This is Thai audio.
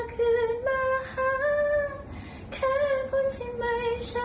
แค่คนที่ไม่ใช่